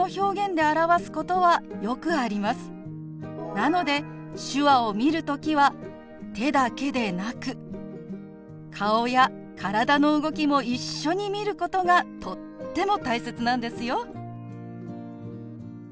なので手話を見る時は手だけでなく顔や体の動きも一緒に見ることがとっても大切なんですよ。